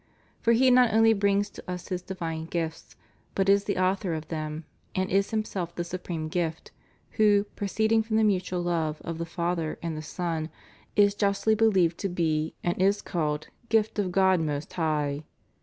* For He not only brings to us His divine gifts, but is the Author of them and is Himself the supreme gift, who, proceeding from the mutual love f the Father and the Son, is justly believed to be and is called "Gift of God most high."